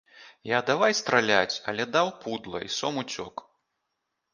Я давай страляць, але даў пудла, і сом уцёк.